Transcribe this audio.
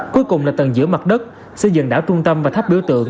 cuối cùng là tầng giữa mặt đất xây dựng đảo trung tâm và tháp biểu tượng